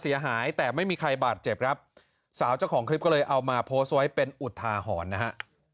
เสียหายแต่ไม่มีใครบาดเจ็บครับสาวเจ้าของคลิปก็เลยเอามาโพสต์ไว้เป็นอุทาหรณ์นะฮะ